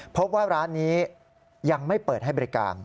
พบว่าร้านนี้ยังไม่เปิดให้บริการ